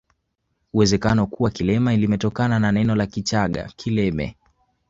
Uwezekano kuwa Kilemani limetokana na neno la Kichaga kileme